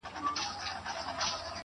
د ژوند پر هره لار چي ځم يوه بلا وينم,